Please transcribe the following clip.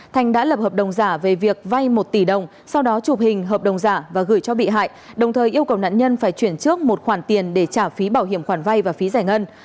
thành đã lập hợp đồng giả về việc vay một tỷ đồng sau đó chụp hình hợp đồng giả và gửi cho bị hại đồng thời yêu cầu nạn nhân phải chuyển trước một khoản tiền để trả phí bảo hiểm khoản vay và phí giải ngân